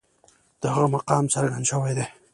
د هغه مقام څرګند شوی دی.